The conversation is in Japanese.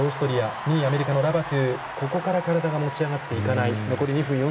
２位、アメリカのラバトゥここから体が持ち上がっていかない。